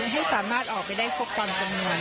ให้สามารถออกไปได้ครบตามจำนวน